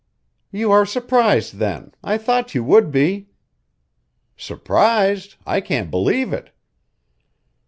"You are surprised then; I thought you would be." "Surprised? I can't believe it."